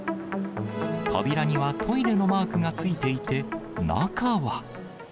扉にはトイレのマークがついていて、中は。